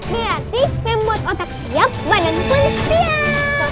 berarti membuat otak siap badan pun siap